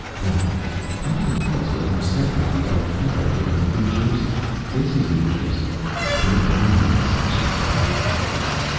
"Well, part of it was what you said about the other fellow getting New Jersey. This is New Jersey. You don't belong in this section, right?"